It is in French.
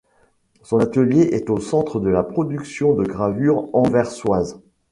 Son atelier est au centre de la production de gravures anversoise.